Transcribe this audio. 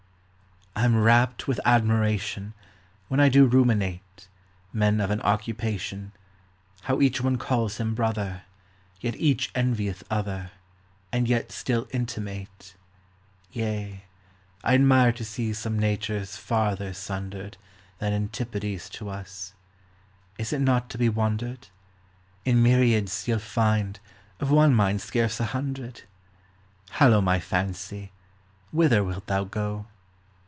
I 'm rapt with admiration, When I do ruminate, Men of an occupation, How each one calls him brother, Yet each envieth other, And yet still intimate ! Yea, I admire to see some natures farther sun d'red, Than antipodes to us. Is it not to be wond'red ? In myriads ye '11 find, of one mind scarce a hun dred ? Hallo, my fancy, whither wilt thou go